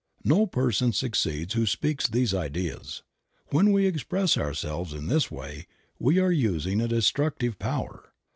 No person succeeds who speaks these ideas. When we express ourselves in this way we are using a destructive power.